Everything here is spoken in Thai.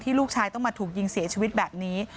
ลูกชายต้องมาถูกยิงเสียชีวิตแบบนี้